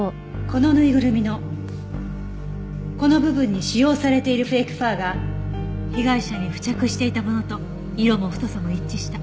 このぬいぐるみのこの部分に使用されているフェイクファーが被害者に付着していたものと色も太さも一致した。